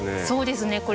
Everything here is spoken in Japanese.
そうですね。